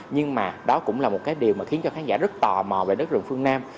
nhưng mà đó cũng là một cái điều mà khiến cho khán giả rất tò mò về đất rừng phương nam